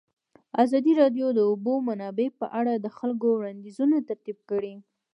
ازادي راډیو د د اوبو منابع په اړه د خلکو وړاندیزونه ترتیب کړي.